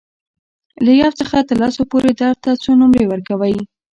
له یو څخه تر لسو پورې درد ته څو نمرې ورکوئ؟